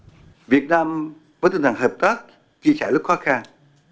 vì việt nam với tình hình hợp tác chia sẻ rất khó khăn